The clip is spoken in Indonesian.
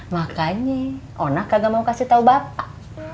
makanya onah kagak mau kasih tau bapak